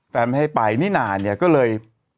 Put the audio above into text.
ไม่ให้ไปนี่นาเนี่ยก็เลย